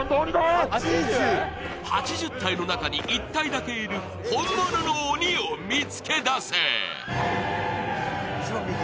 ８０体の中に１体だけいる本物の鬼を見つけだせ！